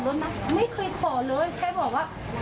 จะไม่เคลียร์กันได้ง่ายนะครับ